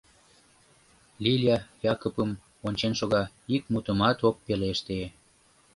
Лиля Якыпым ончен шога, ик мутымат ок пелеште.